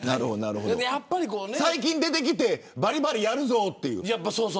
最近出てきてばりばりやるぞという。